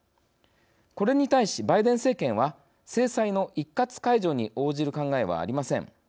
これに対し、バイデン政権は制裁の一括解除に応じる考えはありません。